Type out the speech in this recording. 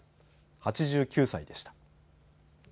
８９歳でした。